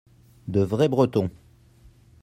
de vrais Bretons.